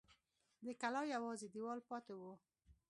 د کلا یوازې دېوال پاته و.